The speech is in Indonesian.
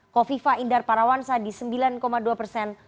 kofifa indar parawansa di sembilan dua persen